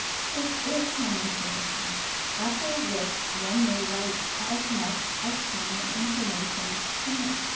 This is common courtesy. After which one may write as much as time and inclination permit.